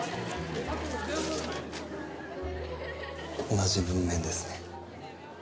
同じ文面ですね。